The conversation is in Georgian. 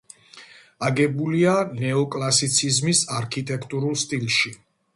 აგებულია ნეოკლასიციზმის არქიტექტურულ სტილში.